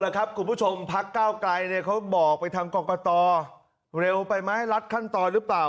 แล้วครับคุณผู้ชมพักก้าวไกลเนี่ยเค้าบอกไปทางกรกฎาตอเร็วไปไหมรัดขั้นตอหรือเปล่า